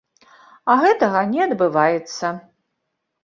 А гэтага не адбываецца.